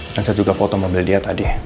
dan saya juga foto mobil dia tadi